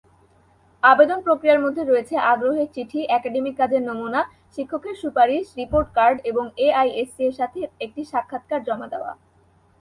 আবেদন প্রক্রিয়ার মধ্যে রয়েছে আগ্রহের চিঠি, একাডেমিক কাজের নমুনা, শিক্ষকের সুপারিশ, রিপোর্ট কার্ড এবং এআইএসসি-এর সাথে একটি সাক্ষাৎকার জমা দেওয়া।